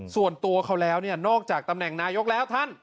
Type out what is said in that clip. ส่วนตัวเขาแล้วเนี่ยนอกจากตำแหน่งนายกแล้วท่าน